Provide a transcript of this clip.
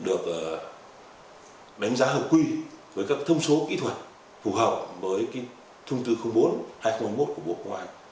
được đánh giá hợp quy với các thông số kỹ thuật phù hợp với thông tư bốn hai nghìn một mươi một của bộ công an